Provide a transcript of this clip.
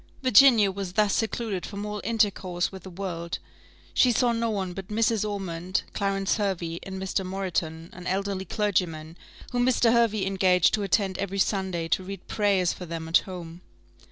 Virginia was thus secluded from all intercourse with the world: she saw no one but Mrs. Ormond, Clarence Hervey, and Mr. Moreton, an elderly clergyman, whom Mr. Hervey engaged to attend every Sunday to read prayers for them at home.